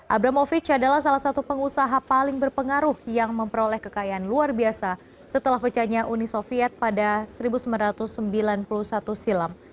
abramovic adalah salah satu pengusaha paling berpengaruh yang memperoleh kekayaan luar biasa setelah pecahnya uni soviet pada seribu sembilan ratus sembilan puluh satu silam